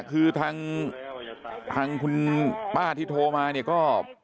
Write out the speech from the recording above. คือทางคุณป้าที่โทรมาเนี่ยก็